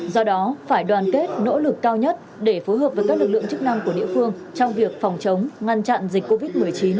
do đó phải đoàn kết nỗ lực cao nhất để phối hợp với các lực lượng chức năng của địa phương trong việc phòng chống ngăn chặn dịch covid một mươi chín